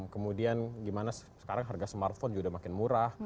kemudian gimana sekarang harga smartphone juga udah makin murah